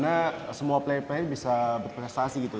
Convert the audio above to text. di mana semua player player bisa berprestasi gitu